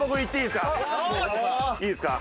いいですか？